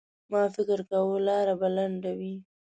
ما فکر کاوه لاره به لنډه وي.